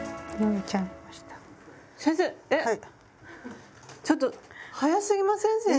先生えっ⁉ちょっと早すぎません？